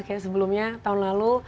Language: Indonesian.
kayak sebelumnya tahun lalu